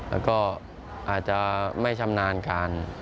แล้วก็อาจจะไม่ชำนาญการ